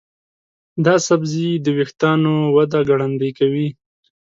دا سبزی د ویښتانو وده ګړندۍ کوي.